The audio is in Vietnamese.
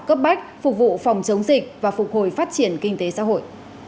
cấp bách phục vụ phòng chống dịch và phục hồi phát triển kinh tế xã hội